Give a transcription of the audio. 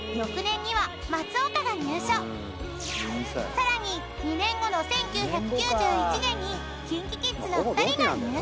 ［さらに２年後の１９９１年にＫｉｎＫｉＫｉｄｓの２人が入所］